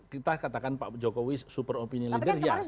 kita katakan pak jokowi super opinion leader yes